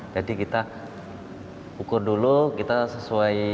jadi kita ukur dulu kita sesuai dari owner